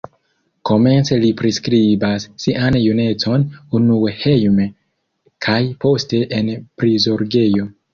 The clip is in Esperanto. Komence li priskribas sian junecon, unue hejme kaj poste en prizorgejo.